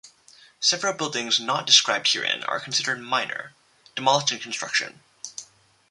Several buildings not described herein are considered minor, demolished in construction.